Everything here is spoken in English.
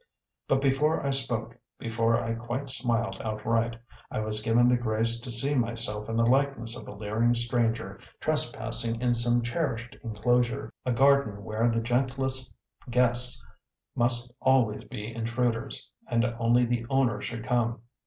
But before I spoke, before I quite smiled outright, I was given the grace to see myself in the likeness of a leering stranger trespassing in some cherished inclosure: a garden where the gentlest guests must always be intruders, and only the owner should come.